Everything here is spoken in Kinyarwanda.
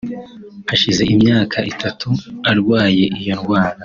Hashize imyaka itatu arwaye iyo ndwara